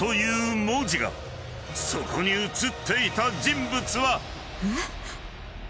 ［そこに写っていた人物は］